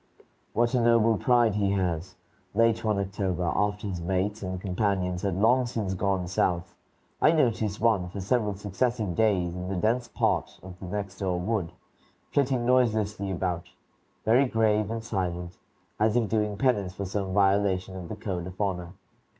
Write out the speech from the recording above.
What a noble pride he has! Late one October, after his mates and companions had long since gone South, I noticed one for several successive days in the dense part of this next door wood, flitting noiselessly about, very grave and silent, as if doing penance for some violation of the code of honor.